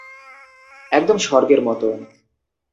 একদম স্বর্গের মতো।